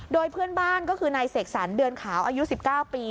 โดยเพื่อนบ้านก็คือนายเสกสรรเดือนขาวอายุ๑๙ปี